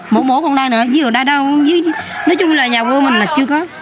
mố mố còn đây nữa chứ ở đây đâu nói chung là nhà của mình là chưa có